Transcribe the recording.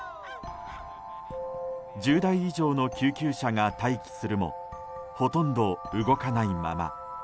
１０台以上の救急車が待機するもほとんど動かないまま。